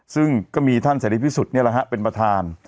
ซึ่งก็มีท่านเสร็จพิสุทธิ์เนี่ยแหละฮะเป็นประธาน